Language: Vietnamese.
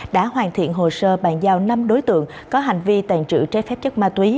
đã hoàn thiện hồ sơ bàn giao năm đối tượng có hành vi tàn trữ trái phép chất ma túy